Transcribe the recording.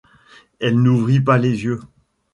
Elle n’ouvrit pas les yeux.